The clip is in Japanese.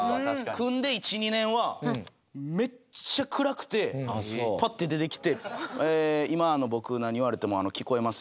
組んで１２年はめっちゃ暗くてパッて出てきて「えー今僕何言われても聞こえません」。